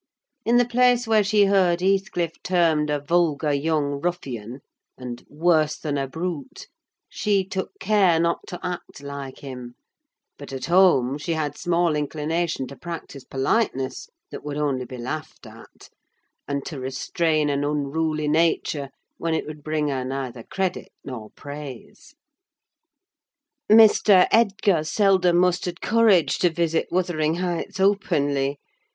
In the place where she heard Heathcliff termed a "vulgar young ruffian," and "worse than a brute," she took care not to act like him; but at home she had small inclination to practise politeness that would only be laughed at, and restrain an unruly nature when it would bring her neither credit nor praise. Mr. Edgar seldom mustered courage to visit Wuthering Heights openly.